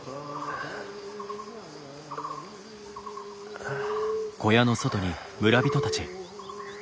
あ？あ。